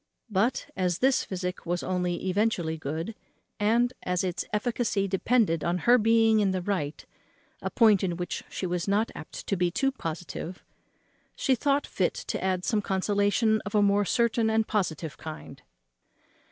But, as this physic was only eventually good, and as its efficacy depended on her being in the right, a point in which she was not apt to be too positive, she thought fit to add some consolation of a more certain and positive kind.